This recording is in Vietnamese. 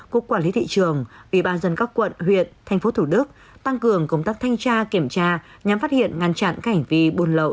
cục quản lý thị trường ủy ban dân các quận huyện thành phố thủ đức tăng cường công tác thanh tra kiểm tra nhằm phát hiện ngăn chặn các hành vi buôn lậu